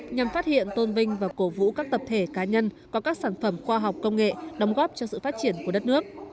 nhằm phát hiện tôn vinh và cổ vũ các tập thể cá nhân có các sản phẩm khoa học công nghệ đóng góp cho sự phát triển của đất nước